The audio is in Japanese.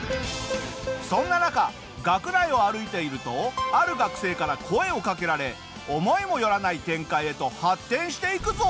そんな中学内を歩いているとある学生から声をかけられ思いもよらない展開へと発展していくぞ！